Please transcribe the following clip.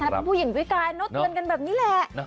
ถ้าเป็นผู้หญิงวิกายเนาะเตือนกันแบบนี้แหละ